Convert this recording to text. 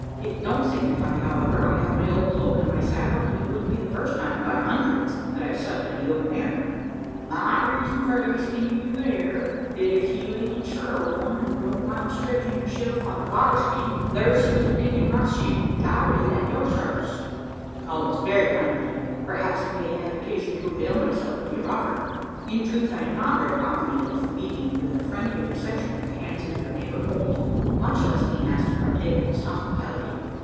It don't signify, however. I have my old cloak and my saddle; and it wouldn't be the first time, by hundreds, I've slept in the open air." "My reezuns for askin' you air, that if you ain't sure o' one, an' don't mind stretching' yourself on a bar skin, thar's such a thing in my shanty entirely at your sarvice." "It is very kind of you. Perhaps I may have occasion to avail myself of your offer. In truth, I am not very confident of meeting with a friendly reception at the hands of your neighbour Holt much less being asked to partake of his hospitality."